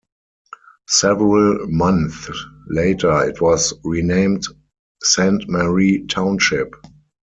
Several months later it was renamed Saint Mary Township.